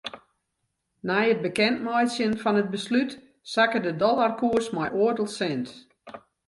Nei it bekendmeitsjen fan it beslút sakke de dollarkoers mei oardel sint.